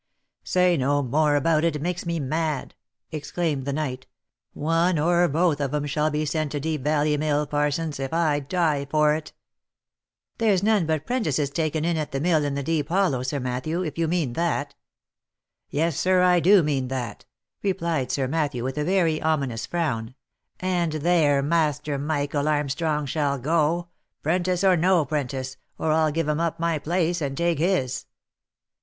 " Say no more about it, it makes me mad !" exclaimed the knight. *' One or both of 'em shall be sent to Deep Valley mill, Parsons, if I die for it !" OP MICHAEL ARMSTRONG. 141 " There's none but 'prentices taken in at the mill in the deep hollow, Sir Matthew, if you mean that." " Yes, sir, I do mean that," replied Sir Matthew with a very ominous frown, " and there Master Michael Armstrong shall go, 'pren tice or no 'prentice, or I'll give him up my place, and take his."